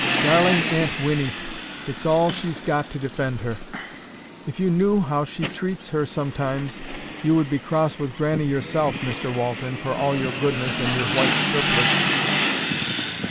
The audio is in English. Darling Aunt Winnie! it's all she's got to defend her. If you knew how she treats her sometimes, you would be cross with Grannie yourself, Mr Walton, for all your goodness and your white surplice."